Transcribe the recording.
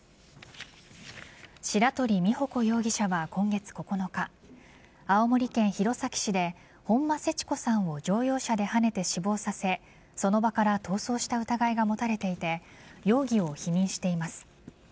白取美穂子容疑者は今月９日青森県弘前市で本間セチコさんを乗用車ではねて死亡させその場から逃走した疑いが持たれていて容疑を否認しています。